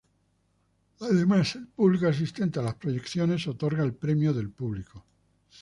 Además, el público asistente a las proyecciones, otorga el Premio del Público.